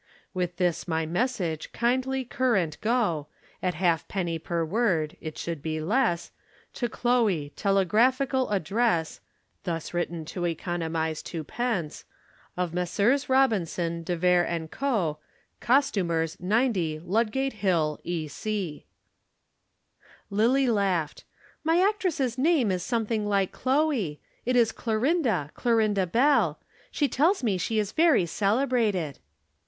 With this my message, kindly current go, At half penny per word it should be less To Chloe, telegraphical address (Thus written to economize two d) Of Messrs. Robinson, De Vere & Co., Costumers, 90, Ludgate Hill, E. C. Lillie laughed. "My actress's name is something like Chloe. It is Clorinda Clorinda Bell. She tells me she is very celebrated."